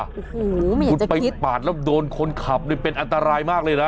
หือไม่อยากจะคิดหือมันไปบาดแล้วโดนคนขับเลยเป็นอันตรายมากเลยนะ